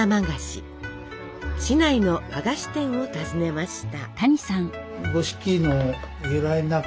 市内の和菓子店を訪ねました。